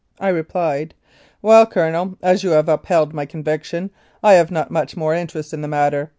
I replied, "Well, Colonel, as you have upheld my conviction, I have not much more interest in the matter.